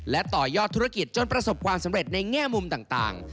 และต่อยอดธุรกิจจนประสบความสำเร็จในแง่มุมต่าง